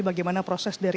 bagaimana proses dari